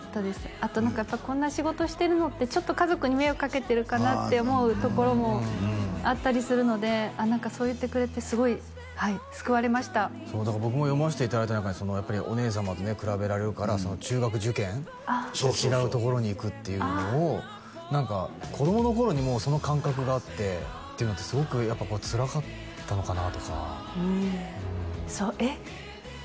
あと何かやっぱこんな仕事してるのってちょっと家族に迷惑かけてるかなって思うところもあったりするのでそう言ってくれてすごい救われましたそうだから僕も読ませていただいた中にそのやっぱりお姉様と比べられるから中学受験違う所に行くっていうのを何か子供の頃にもうその感覚があってっていうのってすごくやっぱこうつらかったのかなとかうんそうえっ？